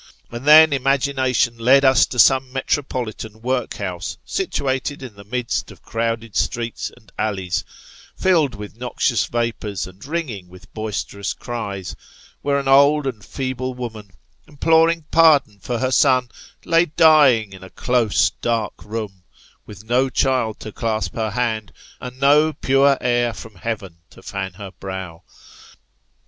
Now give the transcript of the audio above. And then imagination led ns to some metropolitan workhouse, situated in the midst of crowded streets and alleys, filled with noxious vapours, and ringing with boisterous cries, where an old and feeble woman, imploring pardon for her son, lay dying in a close dark room, with no child to clasp her hand, and no pure air from heaven to fan her brow.